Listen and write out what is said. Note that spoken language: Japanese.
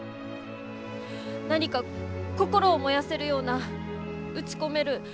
何か心を燃やせるような打ち込める